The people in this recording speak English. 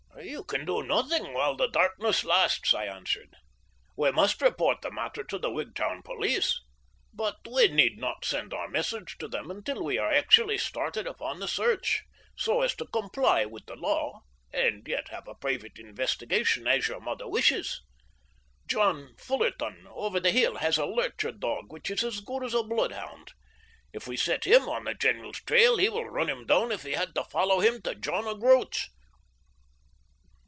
"You can do nothing while the darkness lasts," I answered. "We must report the matter to the Wigtown police, but we need not send our message to them until we are actually starting upon the search, so as to comply with the law and yet have a private investigation, as your mother wishes. John Fullarton, over the hill, has a lurcher dog which is as good as a bloodhound. If we set him on the general's trail he will run him down if he had to follow him to John o' Groat's."